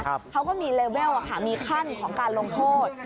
เขาก็มีเลเวลมีขั้นของการลงโทษ